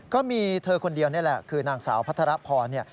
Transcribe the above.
ก็มีเธอคนเดียวนี่แหละคือนางสาวพัทรพรเนี่ย